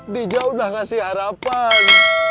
dija udah ngasih harapan